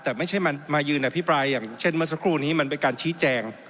แต่ไม่ใช่มายืนอภิปรายอย่างเช่นเมื่อสักครู่นี้มันเป็นการชี้แจง